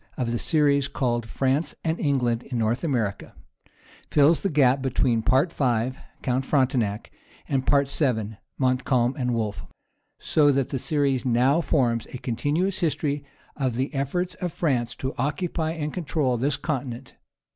of the series called France and England in North America, fills the gap between Part V., "Count Frontenac," and Part VII., "Montcalm and Wolfe;" so that the series now forms a continuous history of the efforts of France to occupy and control this continent.